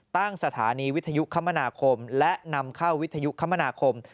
ตั้งสถานีวิทยุคมนาคมและนำเข้าวิทยุคมนาคม